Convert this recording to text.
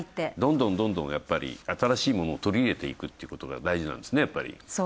どんどん新しいものを取り入れていくということが大事なんですね。